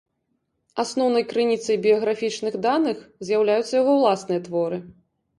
Асноўнай крыніцай біяграфічных даных з'яўляюцца яго ўласныя творы.